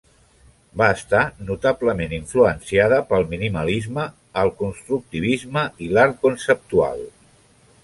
Va estar, notablement, influenciada pel minimalisme, el constructivisme i l'art conceptual.